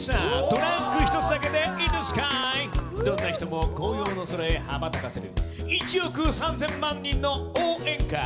どんな人も高揚の空へはばたかせる１億３０００万人の応援歌。